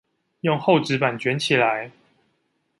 用厚紙板捲起來